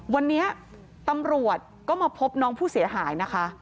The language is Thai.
วันนี้ตำรวจก็มาพบน้องผู้เสียหายนะคะ